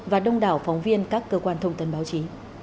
và đông đảo phóng viên các cơ quan thông tin báo chí